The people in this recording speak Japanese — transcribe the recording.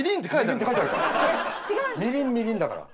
「みりん」「みりん」だから。